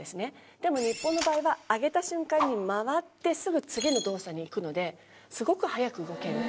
でも日本の場合は上げた瞬間に回ってすぐ次の動作にいくのですごく速く動ける。